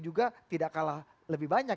juga tidak kalah lebih banyak